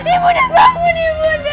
ibu nda bangun ibu nda